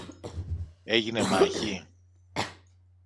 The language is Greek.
Έγινε μάχη;